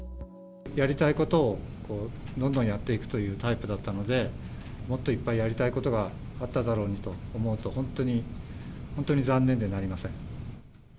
やりたいことをどんどんやっていくというタイプだったので、もっといっぱいやりたいことがあっただろうと思うと、本当に、本当に残念でなりません。